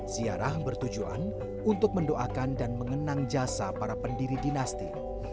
ziarah bertujuan untuk mendoakan dan mengenang jasa para pendiri dinasti